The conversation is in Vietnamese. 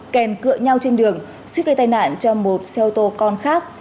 kèn cựa nhau trên đường suýt gây tai nạn cho một xe ô tô con khác